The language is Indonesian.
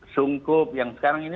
sungkup yang sekarang ini